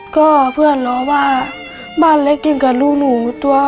ก็เพื่อนเราว่าบ้านเล็กอย่างกับลูกหนู